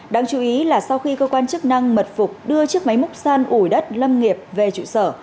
đáng chú ý là sau khi cơ quan chức năng mật phục đưa chiếc máy múc san ủi đất lâm nghiệp về trụ sở